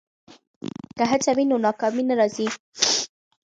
که هڅه وي نو ناکامي نه راځي.